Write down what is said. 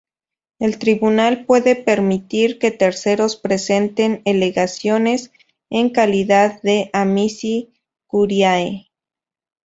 El tribunal puede permitir que terceros presenten alegaciones en calidad de amici curiae.